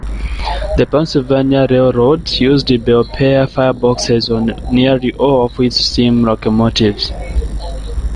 The Pennsylvania Railroad used Belpaire fireboxes on nearly all of its steam locomotives.